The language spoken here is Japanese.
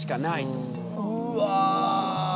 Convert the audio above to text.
うわ。